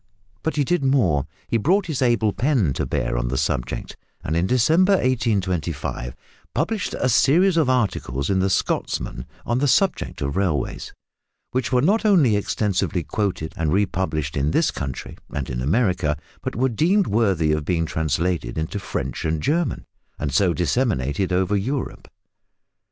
But he did more, he brought his able pen to bear on the subject, and in December 1825 published a series of articles in the Scotsman on the subject of railways, which were not only extensively quoted and republished in this country and in America, but were deemed worthy of being translated into French and German, and so disseminated over Europe.